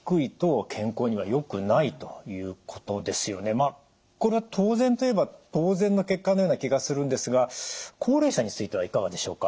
まあこれは当然といえば当然の結果なような気がするんですが高齢者についてはいかがでしょうか？